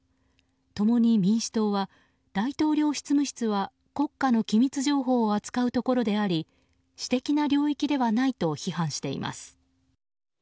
共に民主党は、大統領執務室は国家の機密情報を扱うところであり私的な領域ではないと批判しています。